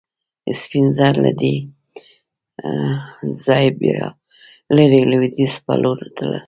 سپین زر له دې ځایه بیا لرې لوېدیځ په لور تلل.